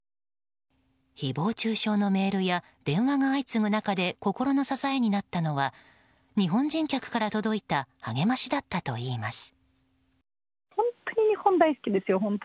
誹謗中傷のメールや電話が相次ぐ中で心の支えになったのは日本人客から届いた励ましだったといいます。